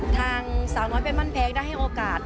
สาวน้อยไปมั่นแพงได้ให้โอกาส